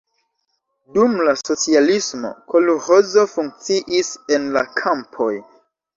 Dum la socialismo kolĥozo funkciis en la kampoj.